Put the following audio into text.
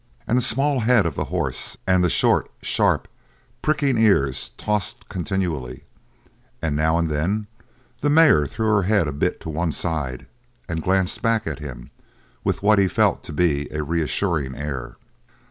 And the small head of the horse and the short, sharp, pricking ears tossed continually; and now and then the mare threw her head a bit to one side and glanced back at him with what he felt to be a reassuring air.